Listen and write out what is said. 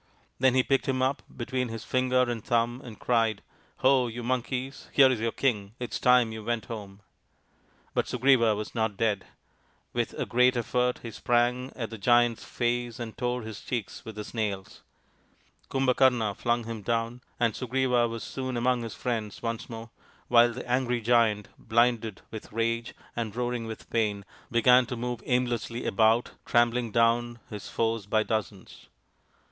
Then he picked him up between his finger and thumb and cried, " Ho, you Monkeys, here is your king. It is time you went home." But Sugriva was not dead. With a great effort RAMA'S QUEST 49 he sprang at the Giant's face and tore his cheeks with his nails. Kumbhakarna flung him down, and Sugriva was soon among his friends once more, while the angry Giant, blinded with rage and roaring with pain, began to move aimlessly about trampling down his foes by dozens.